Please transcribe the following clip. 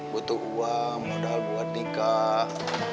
butuh uang modal buat nikah